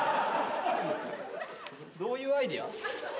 どういうアイデア？